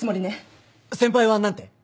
先輩は何て？